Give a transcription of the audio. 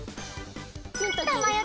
たまよ